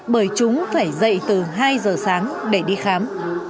bởi chúng phải dậy từ hai giờ sáng để đi khám